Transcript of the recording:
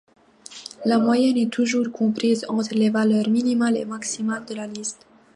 La moyenne est toujours comprise entre les valeurs minimale et maximale de la liste.